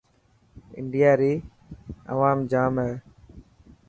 انڊيا ري اوام جام هي.